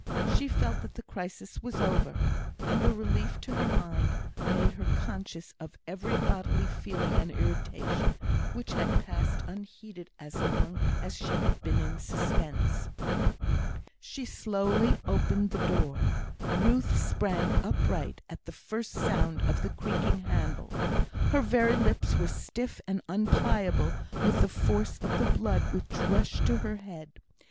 She felt that the crisis was over; and the relief to her mind made her conscious of every bodily feeling and irritation, which had passed unheeded as long as she had been in suspense. She slowly opened the door. Ruth sprang upright at the first sound of the creaking handle. Her very lips were stiff and unpliable with the force of the blood which rushed to her head.